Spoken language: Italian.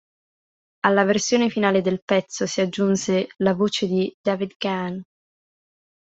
Alla versione finale del pezzo si "aggiunse" la voce di David Gahan.